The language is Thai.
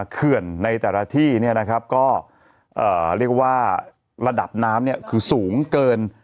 เคื่อนในแต่ละที่ก็เรียกว่าระดับน้ำคือสูงเกิน